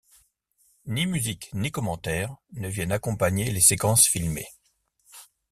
Ni musique ni commentaire ne viennent accompagner les séquences filmées.